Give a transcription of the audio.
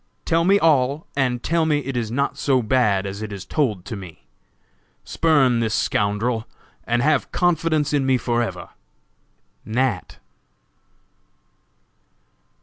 Tell me all, 'and tell me it is not so bad as it is told to me!' Spurn this scoundrel, and have confidence in me forever!!!" NAT.